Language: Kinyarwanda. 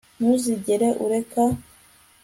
ntuzigere ureka